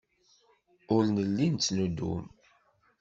Ur nelli nettnuddum.